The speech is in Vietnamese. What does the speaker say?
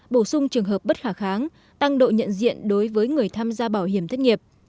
bổ sung trường hợp bất khả kháng tăng độ nhận diện đối với người tham gia bảo hiểm thất nghiệp